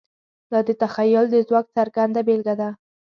دا د تخیل د ځواک څرګنده بېلګه ده.